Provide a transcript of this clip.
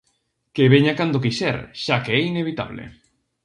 Que veña cando quixer, xa que é inevitable.